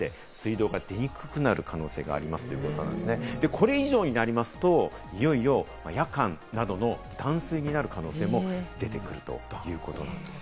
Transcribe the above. これ以上になりますと、いよいよ夜間などの断水になる可能性も出てくるということなんです。